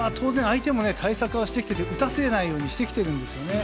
対策はしてきていて打たせないようにはしているんですね。